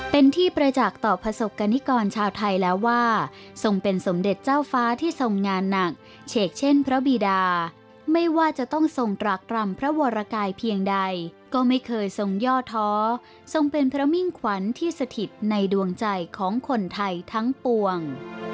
เป็นที่ประจักษ์ต่อประสบกรณิกรชาวไทยแล้วว่าทรงเป็นสมเด็จเจ้าฟ้าที่ทรงงานหนักเฉกเช่นพระบีดาไม่ว่าจะต้องทรงตรากรำพระวรกายเพียงใดก็ไม่เคยทรงย่อท้อทรงเป็นพระมิ่งขวัญที่สถิตในดวงใจของคนไทยทั้งปวง